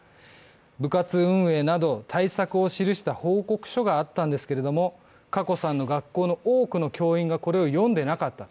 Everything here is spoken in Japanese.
部活運営など対策を記した報告書があったんですけれども、華子さんの学校の多くの教員がこれを読んでいなかったと。